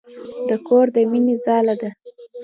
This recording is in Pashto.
د کور د مينې ځاله ده.